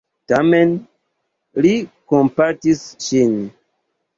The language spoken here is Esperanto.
Tamen, li kompatis ŝin.